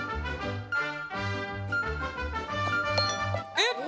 えっ！？